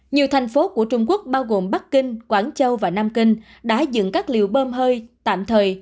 nhiều thành phố của trung quốc bao gồm bắc kinh quảng châu và nam kinh đã dựng các liều bơm hơi tạm thời